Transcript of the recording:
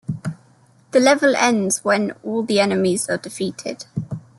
The level ends when all the enemies are defeated.